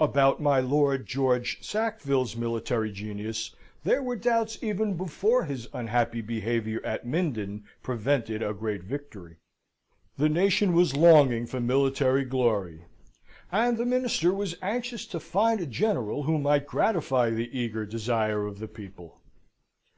About my Lord George Sackville's military genius there were doubts, even before his unhappy behaviour at Minden prevented a great victory. The nation was longing for military glory, and the Minister was anxious to find a general who might gratify the eager desire of the people.